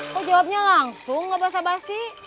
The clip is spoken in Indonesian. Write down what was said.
kok jawabnya langsung nggak bahasa bahasi